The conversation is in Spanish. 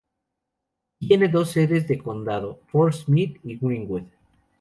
Tiene dos sedes de condado: Fort Smith y Greenwood.